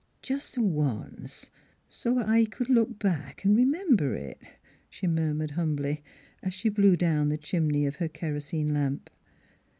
" Jest once so 't I could look back an' r'mem ber it," she murmured humbly, as she blew down the chimney of her kerosene lamp.